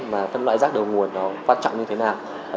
mà phân loại rác đầu nguồn nó quan trọng như thế nào